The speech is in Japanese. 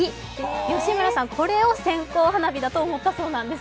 吉村さん、これを線香花火だと思ったようです。